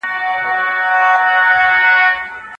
زه بېرته د انګړ په کوچ کې وغځېدم.